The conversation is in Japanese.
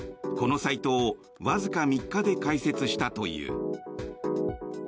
このサイトをわずか３日で開設したという。